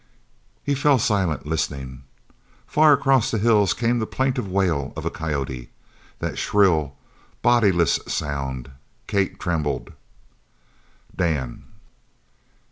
He fell silent, listening. Far across the hills came the plaintive wail of a coyote that shrill bodiless sound. Kate trembled. "Dan!"